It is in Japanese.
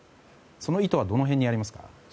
その意図はどの辺にありますか。